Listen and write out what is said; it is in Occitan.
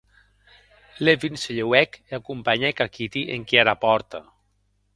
Levin se lheuèc e acompanhèc a Kitty enquiara pòrta.